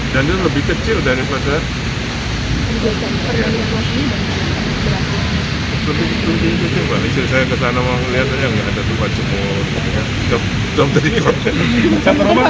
satu rumah pagunya berapa sih pak satu rumah cuma